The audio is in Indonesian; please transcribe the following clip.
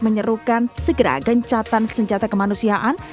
menyerukan segera gencatan senjata kemanusiaan